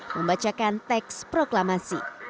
membacakan teks proklamasi